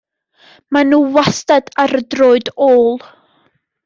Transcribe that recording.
Mae nhw wastad ar y droed ôl.